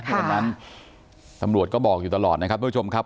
วันนั้นตำรวจก็บอกอยู่ตลอดนะครับทุกผู้ชมครับ